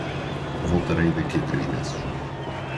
Voltarei daqui a três meses.